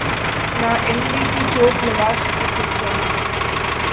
نااہلی کی چوٹ نواز شریف نے سہہ لی۔